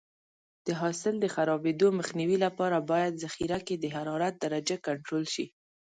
د حاصل د خرابېدو مخنیوي لپاره باید ذخیره کې د حرارت درجه کنټرول شي.